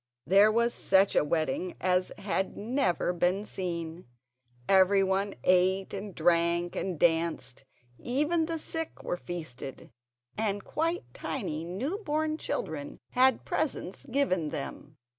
There was such a wedding as had never been seen. Everyone ate and drank and danced. Even the sick were feasted, and quite tiny new born children had presents given them.